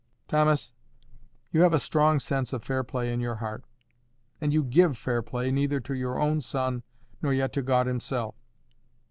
Thomas, you have a strong sense of fair play in your heart, and you GIVE fair play neither to your own son nor yet to God himself.